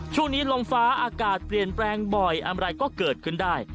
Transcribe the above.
ช่วงนี้ลมฟ้าอากาศเปลี่ยนแปลงบ่อยอะไรก็เกิดขึ้นได้